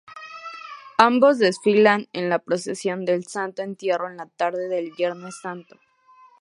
Ambos desfilan en la Procesión del Santo Entierro en la tarde del Viernes Santo.